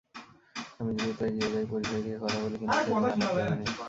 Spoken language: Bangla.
আমি দ্রুত এগিয়ে যাই, পরিচয় দিয়ে কথা বলি, কিন্তু সেদিন আলাপ জমেনি।